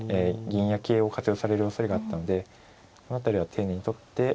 銀や桂を活用されるおそれがあったんでこの辺りは丁寧に取って。